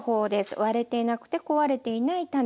割れていなくて壊れていない種。